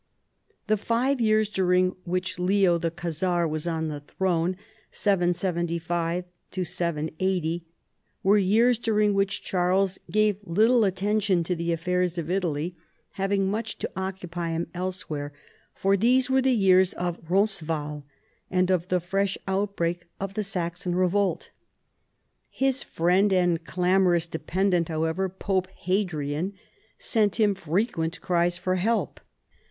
The five years during which Leo the Khazar was on the throne (775 780) were years during which Charles gave little attention to the affairs of Italy, having much to occupy him elsewhere, for these were the years of Roncesvalles and of the fresh out break of the Saxon revolt. His friend and clamoi ous dependant, however. Pope Hadrian, sent him frequent cries for help.